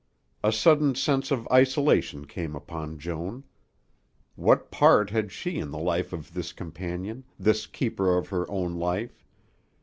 A sudden sense of isolation came upon Joan. What part had she in the life of this companion, this keeper of her own life?